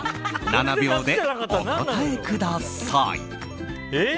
７秒でお答えください。